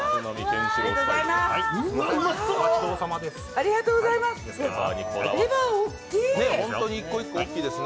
ありがとうございます！